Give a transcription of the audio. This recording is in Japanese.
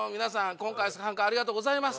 今回参加ありがとうございます」と。